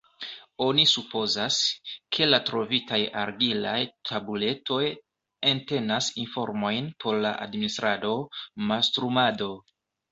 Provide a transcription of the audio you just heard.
Oni supozas, ke la trovitaj argilaj tabuletoj entenas informojn por la administrado, mastrumado.